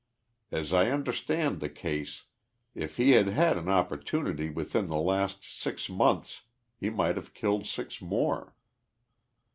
As I understand the case, if he had had an opportunity within the last six months he might have killed six more.